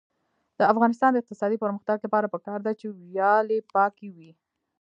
د افغانستان د اقتصادي پرمختګ لپاره پکار ده چې ویالې پاکې وي.